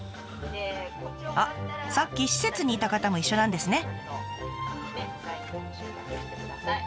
あっさっき施設にいた方も一緒なんですね。